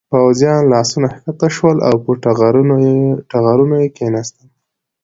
پوځيان له آسونو کښته شول او پر ټغرونو یې کېناستل.